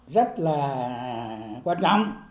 rất là quan trọng